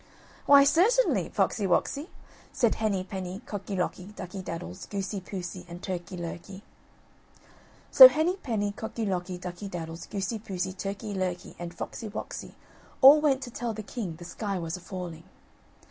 "Why certainly, Foxy woxy," said Henny penny, Cocky locky, Ducky daddles, Goosey poosey, and Turkey lurkey. So Henny penny, Cocky locky, Ducky daddles, Goosey poosey, Turkey lurkey, and Foxy woxy all went to tell the king the sky was a falling.